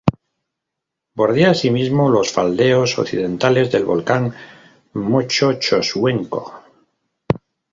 Bordea así mismo los faldeos occidentales del volcán Mocho-Choshuenco.